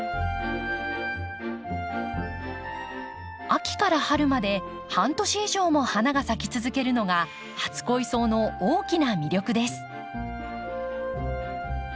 秋から春まで半年以上も花が咲き続けるのが初恋草の大きな魅力です。